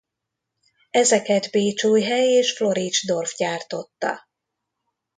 Ezeket Bécsújhely és Floridsdorf gyártotta.